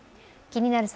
「気になる！